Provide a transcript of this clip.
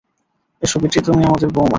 এসো, বেটি, তুমি আমাদের বৌমা।